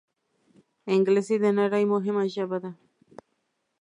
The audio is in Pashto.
انګلیسي د نړۍ مهمه ژبه ده